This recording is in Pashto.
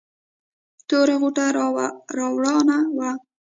توره غوټه را راوانه وه.